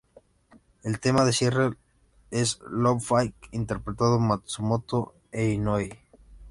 El tema de cierre es "Love Fight" interpretado Matsumoto e Inoue.